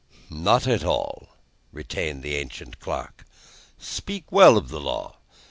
"Not at all," retained the ancient clerk. "Speak well of the law.